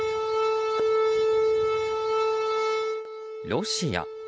ロシア。